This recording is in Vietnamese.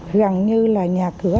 gần như là nhà cửa